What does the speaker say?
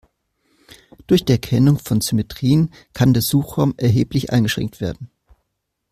Durch die Erkennung von Symmetrien kann der Suchraum erheblich eingeschränkt werden.